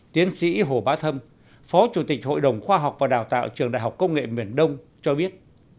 tiến sĩ hồ bá thâm phó chủ tịch hội đồng khoa học và đào tạo trường đại học công nghệ miền đông cho biết